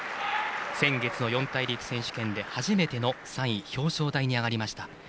先月の四大陸選手権で初めての３位表彰台に上がりました。